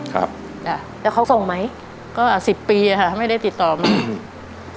ครับจ้ะแล้วเขาส่งไหมก็สิบปีอ่ะค่ะไม่ได้ติดต่อมาอืม